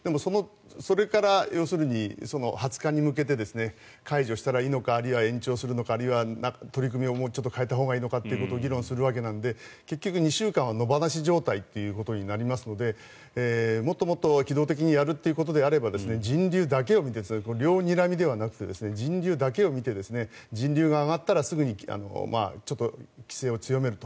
それから、要するに２０日に向けて解除したらいいのかあるいは延長するのかあるいは取り組みをもうちょっと変えたほうがいいのかを議論するわけなので結局２週間は野放し状態ということになりますのでもっともっと機動的にやるということであれば両にらみだけではなくて人流だけを見て人流が上がったらすぐに規制を強めると。